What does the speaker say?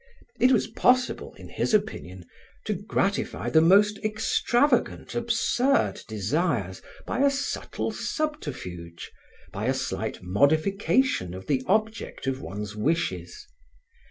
It was possible, in his opinion, to gratify the most extravagant, absurd desires by a subtle subterfuge, by a slight modification of the object of one's wishes.